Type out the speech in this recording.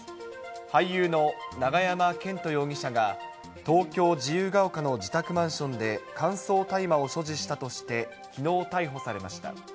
俳優の永山絢斗容疑者が、東京・自由が丘の自宅マンションで乾燥大麻を所持したとして、きのう逮捕されました。